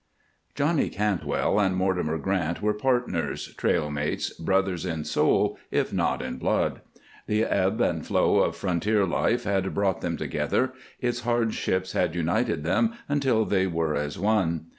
Johnny Cantwell and Mortimer Grant were partners, trail mates, brothers in soul if not in blood. The ebb and flood of frontier life had brought them together, its hardships had united them until they were as one.